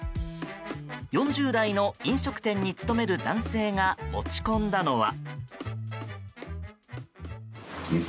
４０代の飲食店に勤める男性が持ち込んだのは。